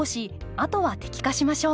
あとは摘果しましょう。